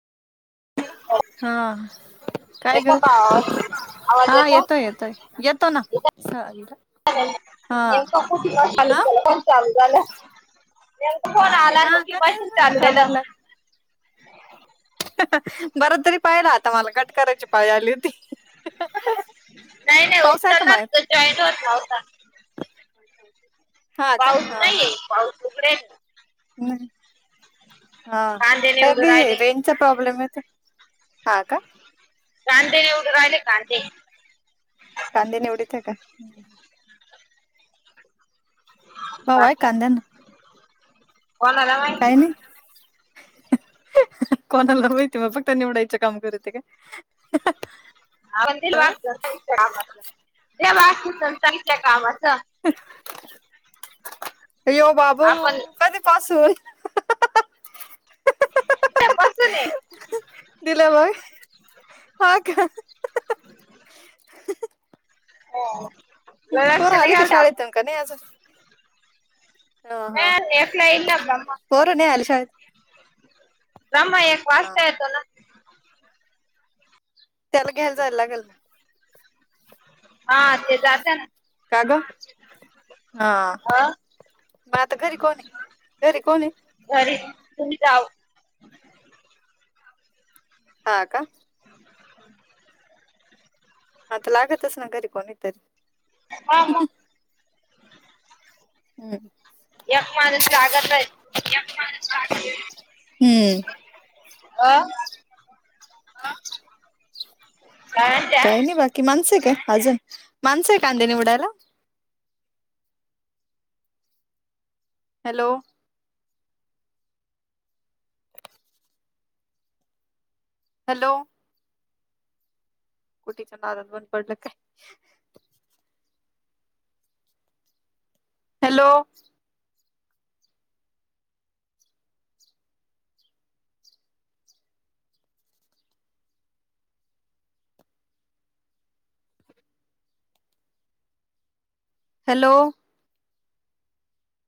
हा काय? येतो गं का आवाज? आवाज हा येतो? येतोय येतोय येतो ना साईला [unintelligible] चालू झालं. नेमका फोन आला हा अन् का [unintelligible] तेच पासून म्हटलं चालेलं. हं हं बरं तरी पाहीला आता मला कट करायची पाळी आली होती. हं हं हं नाय नाय पाऊस आहे का उचलला मळ्यात असता. जॉईड होत नव्हता. हा का पाऊस नाहीये पाऊस उघडेल मजी हा कांदे निवडू कमी हे राहिले. रेंज चा प्रॉब्लेम येतोय हा का? कांदे येऊन राहिले कांदे कांदे निवडीत्या का? भाव आहे बाकी, कांद्यांना कोणाला माहित. काय नही. कोणाला माहिती, मग फक्त निवडायचं काम करते का? ह [unintelligible] कामाचं यो बाबो आपण कधीपासून त्यो पासून ये दिला व्हय? हा का? हा, पोरं आली का शाळेतून की नाही अजून? हा नाय हा आली एक ला इलं आता. पोरं नाही आली शाळेत नमा एक हा वाजता येतो ना. त्याला घ्यायला जायला लागल. हा, ते जात नां. का ग? हां, अ मग आता घरी कोण हे? घरी कोण हे? घरी तुम्ही जाऊ हा, का? [inaudible] आता लागतच ना घरी कोणीतरी. हां मग? [unintelligible] एक माणूस लागतय. एक माणूस लागतय. हम्म. अ अं, काय म्हणते? काय नाही बाकी माणसं हे का अजून, माणसे काय कांदे निवडायला? हॅलो, हॅलो, कुटीच्या नादात बंद पडलं काय? Hello, hello,